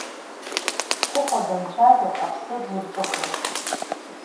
Хәыхәа данцәажәо, аԥсы длырҿыхоит!